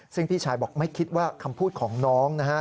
ซึ่งพี่ชายบอกไม่คิดว่าคำพูดของน้องนะฮะ